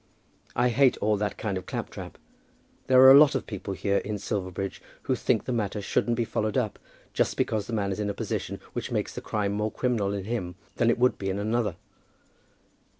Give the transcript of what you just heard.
I hate all that kind of clap trap. There are a lot of people here in Silverbridge who think the matter shouldn't be followed up, just because the man is in a position which makes the crime more criminal in him than it would be in another."